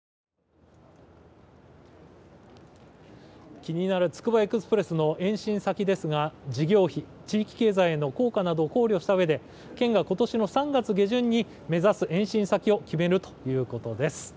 気になるつくばエクスプレスの延伸先ですが事業費、地域経済への効果などを考慮したうえで県がことしの３月下旬に目指す延伸先を決めるということです。